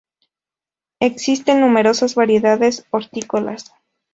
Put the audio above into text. Existen numerosas variedades hortícolas.